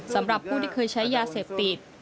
สำหรับผู้ที่เคยใช้ยาเสพติด